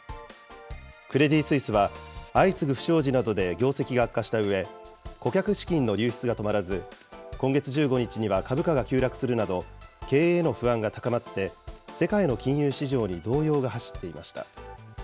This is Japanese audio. クレディ・スイスは、相次ぐ不祥事などで業績が悪化したうえ、顧客資金の流出が止まらず、今月１５日には、株価が急落するなど、経営への不安が高まって、世界の金融市場に動揺が走っていました。